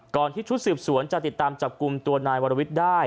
ที่ชุดสืบสวนจะติดตามจับกลุ่มตัวนายวรวิทย์ได้